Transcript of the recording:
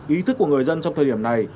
ý thức của người dân trong thời điểm này